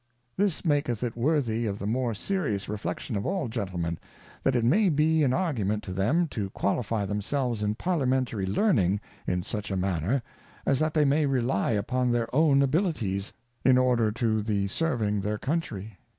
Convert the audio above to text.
This maketh it worthy of the more serious reflection of all Gentlemen, that it may be an Argument to them to qualify them selves in Parliamentary Learning, in such a manner, as that they may rely upon their own Abilities, in order to the serving their Countrey.